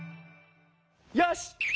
よし！